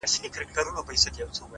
o په هغه ورځ به بس زما اختر وي؛